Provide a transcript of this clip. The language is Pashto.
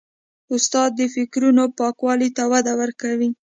استاد د فکرونو پاکوالي ته وده ورکوي.